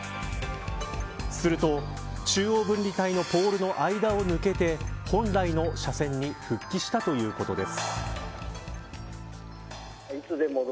すると、中央分離帯のポールの間を抜けて本来の車線に復帰したということです。